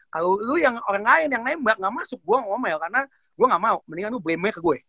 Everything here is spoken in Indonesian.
kalo orang lain yang nembak gak masuk gue ngomel karena gue gak mau mendingan lu blame nya ke gue